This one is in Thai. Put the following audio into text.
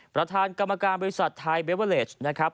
ประธานกรรมการบริษัทไทยเบเวอร์เลสนะครับ